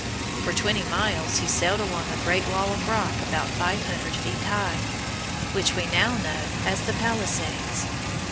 For twenty miles he sailed along a great wall of rock about five hundred feet high, which we now know as the Palisades.